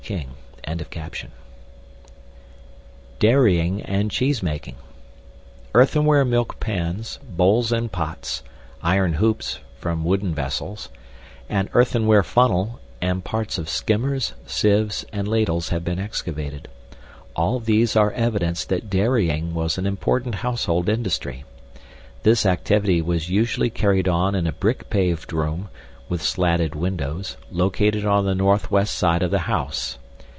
King.)] DAIRYING AND CHEESEMAKING Earthenware milk pans, bowls and pots, iron hoops (from wooden vessels), an earthenware funnel, and parts of skimmers, sieves, and ladles have been excavated. All these are evidence that dairying was an important household industry. This activity was usually carried on in a brick paved room (with slatted windows) located on the northwest side of the house.